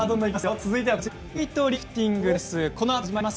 続いてはウエイトリフティングです。